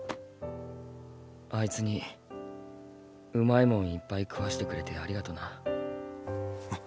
あいつに美味いもんいっぱい食わしてくれてありがとうな。